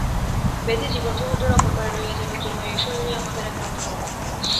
ব্যাধি জীবন-সমুদ্রের অপর পারে লইয়া যাইবার জন্য এই শরীরই আমাদের একমাত্র নৌকা।